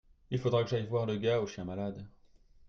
Il faudra que j'aille voir le gars au chien malade.